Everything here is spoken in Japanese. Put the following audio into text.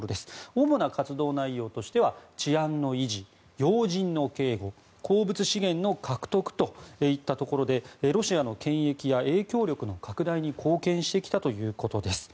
主な活動内容としては治安の維持、要人の警護鉱物資源の獲得といったところでロシアの権益や影響力の拡大に貢献してきたということです。